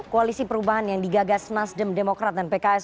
koalisi perubahan yang digagas nasdem demokrat dan pks